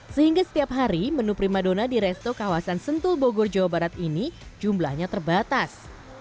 sehingga setiap hari menu prima dona di resto kawasan sentul bogor jawa barat ini jumlahnya terbatas